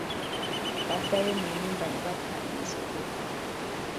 Baddayo mu nnyumba ne batta ensekere.